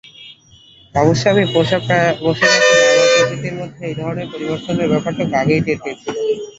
অবশ্য আমার পোষা পশুপাখিরা আমার প্রকৃতির মধ্যে এই ধরনের পরিবর্তনের ব্যাপারটুকু আগেই টের পেয়েছিল।